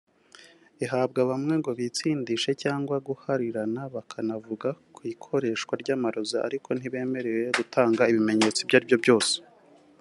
ihabwa bamwe ngo bitsindishe cyangwa guharirana bakanavuga ku ikoreshwa ry’amarozi ariko ntibemere gutanga ibimenyetso ibyo ari byose